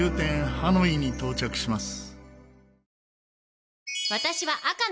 ハノイに到着します。